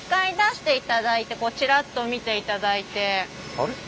あれ？